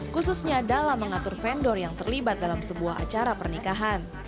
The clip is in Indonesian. khususnya dalam mengatur vendor yang terlibat dalam sebuah acara pernikahan